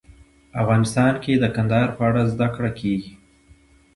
افغانستان کې د کندهار په اړه زده کړه کېږي.